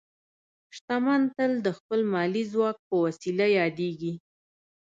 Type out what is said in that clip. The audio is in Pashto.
شتمن تل د خپل مالي ځواک په وسیله یادېږي.